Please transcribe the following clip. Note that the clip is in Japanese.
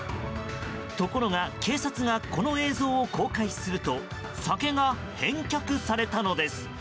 ところが警察がこの映像を公開すると酒が返却されたのです。